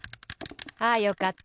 あよかった。